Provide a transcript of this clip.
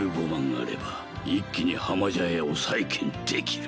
あれば一気に浜茶屋を再建できる